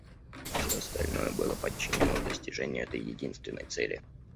Все остальное было подчинено достижению этой единственной цели.